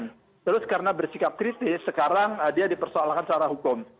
terus karena bersikap kritis sekarang dia dipersoalkan secara hukum